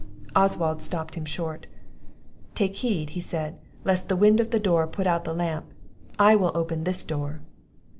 Oswald stopped him short. "Take heed," said he, "lest the wind of the door put out the lamp. I will open this door."